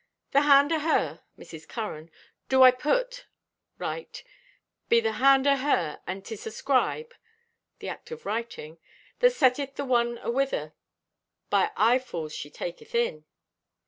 _—"The hand o' her (Mrs. Curran) do I to put (write) be the hand o' her, and 'tis ascribe (the act of writing) that setteth the one awhither by eyes fulls she taketh in."